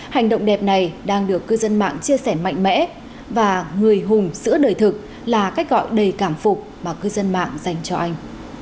hành động đẹp này đang được cư dân mạng chia sẻ mạnh mẽ và người hùng giữa đời thực là cách gọi đầy cảm phục mà cư dân mạng dành cho anh